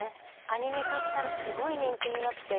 アニメ化したらすごい人気になって。